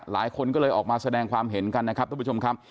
หลายคนก็เลยออกมาแสดงความเห็นกันนะครับทุกผู้ชมครับ